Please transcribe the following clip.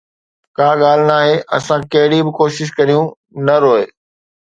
ڪا ڳالهه ناهي اسان ڪهڙي به ڪوشش ڪريون، نه روءِ